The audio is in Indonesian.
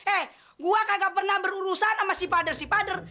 eh gua kagak pernah berurusan sama si pader si pader